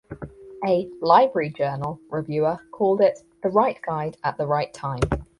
A "Library Journal" reviewer called it "The right guide at the right time".